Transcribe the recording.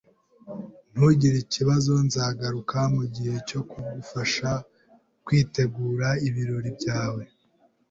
Ntugire ikibazo. Nzagaruka mugihe cyo kugufasha kwitegura ibirori byawe.